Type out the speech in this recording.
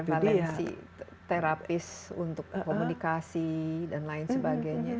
balansi terapis untuk komunikasi dan lain sebagainya